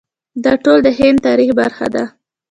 دا ټول د هند د تاریخ برخه ده.